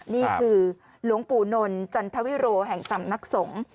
นี่คือหลวงปู่นนจันทวิโรแห่งสำนักสงฆ์